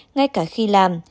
ngay cả khi làm